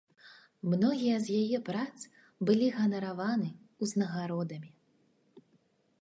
Многія з яе прац былі ганараваны ўзнагародамі.